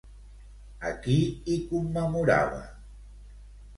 A qui hi commemorava?